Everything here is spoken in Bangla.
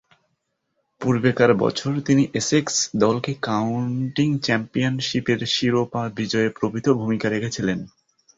পূর্বেকার বছর তিনি এসেক্স দলকে কাউন্টি চ্যাম্পিয়নশীপের শিরোপা বিজয়ে প্রভূতঃ ভূমিকা রেখেছিলেন।